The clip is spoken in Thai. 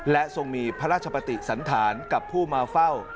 และทรงมีพระราชปฏิสันธารกับผู้มาเฝ้า